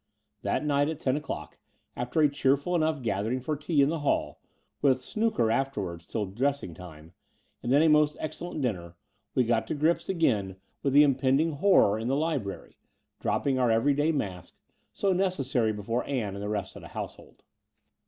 X That night at ten o'clock, after a cheerful enough gathering for tea in the hall, with * 'snooker" after wards till dressing time, and then a most excellent dinner, we got to grips again with the impending 278 The Door of the Vnraal horror in the library, dropping our everyday mask, so necessary before Ann and the rest of the house hold.